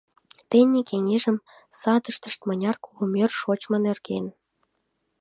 Тений кеҥежым садыштышт мыняр кугымӧр шочмо нерген.